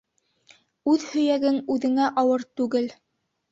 Үҙ һөйәгең үҙеңә ауыр түгел.